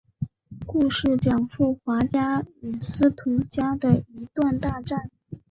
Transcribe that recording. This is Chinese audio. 故事讲述华家与司徒家的一段大战。